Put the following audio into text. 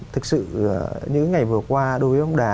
thực sự những ngày vừa qua đối với bóng đá